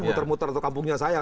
muter muter atau kampungnya saya